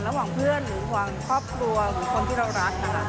ระหว่างเพื่อนหรือห่วงครอบครัวหรือคนที่เรารักนะคะ